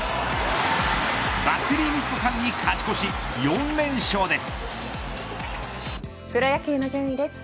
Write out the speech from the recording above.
バッテリーミスの間に勝ち越し４連勝です。